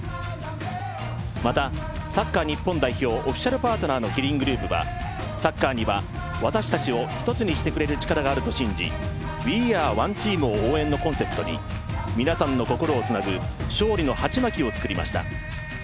また、サッカー日本代表オフィシャルパートナーのキリングループはサッカーには私たちを一つにしてくれる力があると信じ「ＷｅＡｒｅＯｎｅｔｅａｍ．」を応援のコンセプトに皆さんの心をつなぐ勝利のハチマキを作りました。